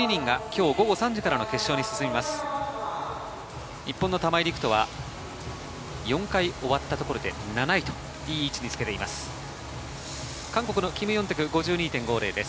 日本の玉井陸斗は、４回終わったところで７位と、いい位置につけています。